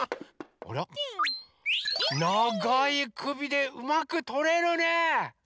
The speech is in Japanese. あらながいくびでうまくとれるね。